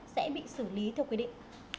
sẽ bị xử lý theo quy định